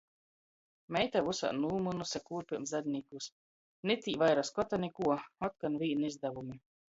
Meita vysā nūmynuse kūrpem zadnīkus, ni tī vaira skota, ni kuo. Otkon vīni izdavumi!